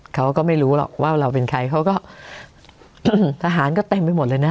เขาก็ไม่รู้หรอกว่าเราเป็นใครเขาก็ทหารก็เต็มไปหมดเลยนะ